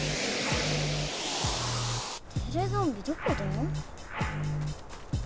テレゾンビどこだ？